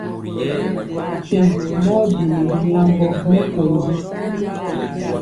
Twɛŋ mɔ byeli ri lambɔ nɛ kondi.